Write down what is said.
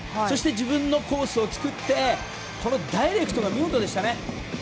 そして自分のコースを作ってダイレクト、見事でしたね。